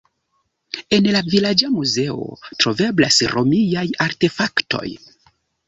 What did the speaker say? En la vilaĝa muzeo troveblas romiaj artefaktoj.